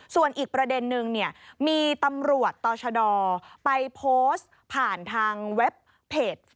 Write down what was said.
ส่วนอีกประเด็นนึงเนี่ยมีตำรวจต่อชะดอไปโพสต์ผ่านทางเว็บเพจ